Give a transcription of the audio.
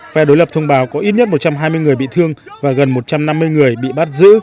phe đối lập thông báo có ít nhất một trăm hai mươi người bị thương và gần một trăm năm mươi người bị bắt giữ